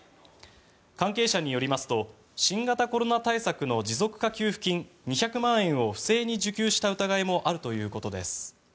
関係者によりますと新型コロナ対策の持続化給付金２００万円を不正に受給した疑いもあるということです。